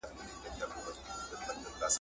سیلانیان د افغانستان د خلکو مېلمه پالنه ستایي.